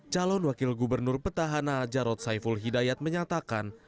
calon wakil gubernur petahana jarod saiful hidayat menyatakan